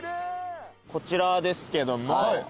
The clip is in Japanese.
こちらですけども。